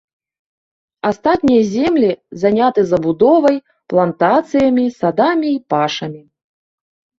Астатнія землі заняты забудовай, плантацыямі, садамі і пашамі.